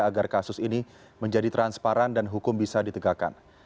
agar kasus ini menjadi transparan dan hukum bisa ditegakkan